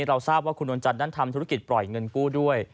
เราทราบว่าคุณนวลจันทร์นั้นทำธุรกิจปล่อยเงินกู้ด้วย